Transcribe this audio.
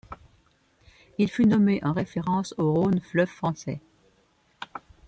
Il fut nommé en référence au Rhône, fleuve français.